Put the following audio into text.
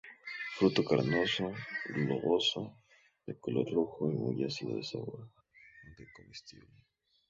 Fruto carnoso, globoso, de color rojo y muy ácido de sabor, aunque comestible.